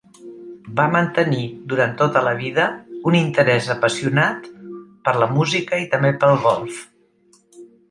Va mantenir durant tota la vida un interès apassionat per la música i també pel golf.